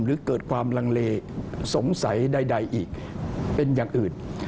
หรือเกิดความลังเลสงสัยใดอีกเป็นอย่างอื่น